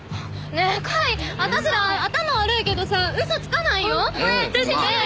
ねえ甲斐私ら頭悪いけどさ嘘つかないよ。